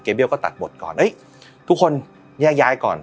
เกเรด์เซียวก็ตัดบทก่อนทุกคนแยะย้ายก่อน